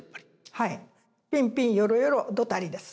はいピンピンヨロヨロドタリです。